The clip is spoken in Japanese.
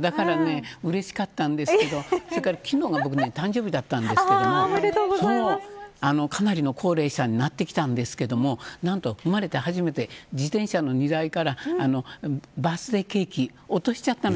だから、うれしかったんですけどそれで、昨日が誕生日だったんですけどかなりの高齢者になってきたんですけど生まれて初めて自転車の荷台からバースデーケーキ落としちゃったのよ